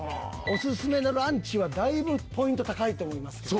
「オススメのランチ」はだいぶポイント高いと思いますけど。